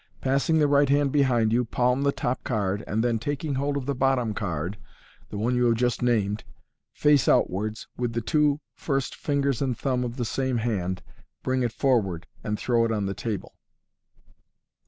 Passing the right hand behind you, palm the top card, and then taking hold of the bottom card (the one you have just named) face outwards, with the two first fingers and thumb of the same hand, bring it for ward and throw it on the table.